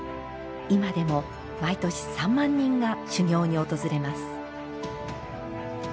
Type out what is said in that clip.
今でも毎年３万人が修行に訪れます。